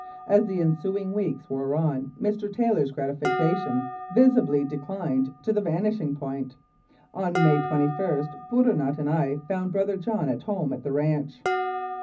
As the ensuing weeks wore on Mr. Taylor's gratification visibly declined to the vanish ing point. On May 21 Bourinot and I found brother John at home at the ranch.